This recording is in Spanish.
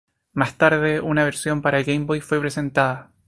Más tarde, una versión para Game Boy fue presentada.